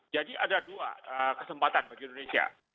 jadi ada dua kesempatan bagi indonesia